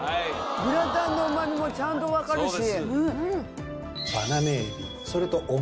グラタンのうま味もちゃんと分かるし。